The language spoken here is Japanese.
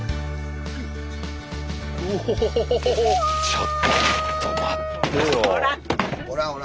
ちょっと待ってよ。